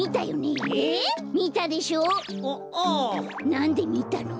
なんでみたの？